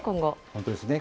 本当ですね。